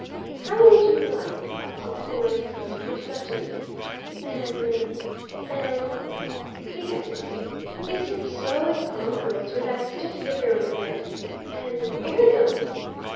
"How would you like," said the philanthropist, reflectively, "an an " he hesitated, it seemed so incongruous with that stiff figure on the bed "an airgun?"